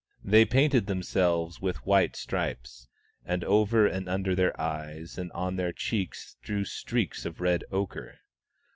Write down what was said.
They painted themselves with white stripes, and over and under their eyes and on their cheeks drew streaks of red ochre.